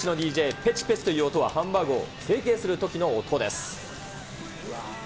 ぺちぺちという音はハンバーグを成形するときの音です。